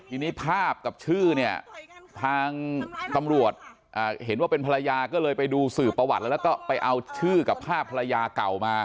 ทีนี้ภาพกับชื่อเนี่ยทางตำรวจเห็นว่าเป็นภรรยาก็เลยไปดูสื่อประวัติแล้วก็ไปเอาชื่อกับภาพภรรยาเก่ามา